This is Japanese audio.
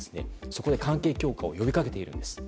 そこで関係強化を呼び掛けているんです。